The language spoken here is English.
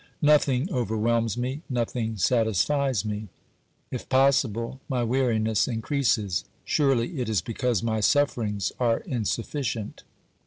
Nothing overwhelms me, nothing satisfies me. If possible, my weariness increases — surely it is because my sufferings are insufficient.